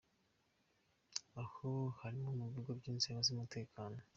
Aho harimo mu bigo by’inzego z’umutekano.